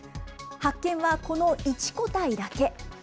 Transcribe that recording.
発見はこの１個体だけ。